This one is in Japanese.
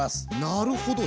なるほど。